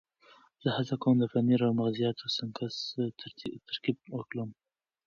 زه هڅه کوم د پنیر او مغزیاتو سنکس ترکیب وکړم.